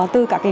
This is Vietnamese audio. từ các cái